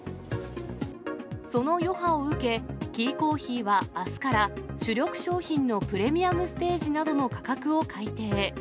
その余波を受け、キーコーヒーはあすから主力商品のプレミアムステージなどの価格を改定。